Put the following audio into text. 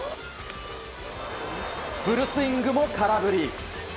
フルスイングも空振り。